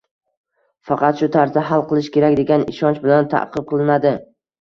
“faqat” shu tarzda hal qilish kerak degan ishonch bilan ta’qib qilinadi.